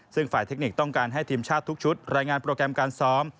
ซึ่งฝ่ายเทคนิคต้องการให้ทีมชาติทุกชุดรายงานโปรแกรมการซ้อม